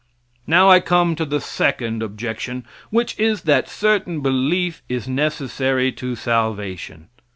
Now I come to the second objection, which is that certain belief is necessary to salvation.